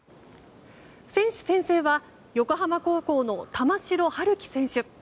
選手宣誓は横浜高校の玉城陽希選手。